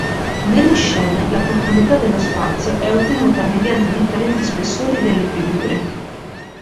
Nelle scene la profondità dello spazio è ottenuta mediante differenti spessori delle figure.